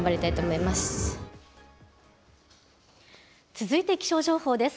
続いて気象情報です。